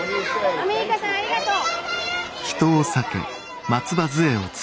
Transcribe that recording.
アメリカさんありがとう！